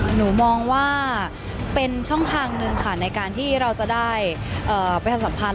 หนูมองว่าเป็นช่องทางหนึ่งค่ะในการที่เราจะได้ประชาสัมพันธ